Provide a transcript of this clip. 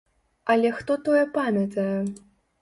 Але хто тое памятае!